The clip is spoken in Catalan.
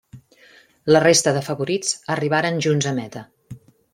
La resta de favorits arribaren junts a meta.